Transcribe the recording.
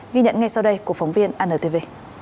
ghi nhận ngay sau đây của phóng viên antv